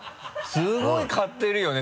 すごい買ってるよね